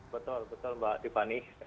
betul betul mbak tiffany